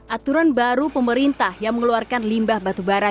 aturan baru pemerintah yang mengeluarkan limbah batubara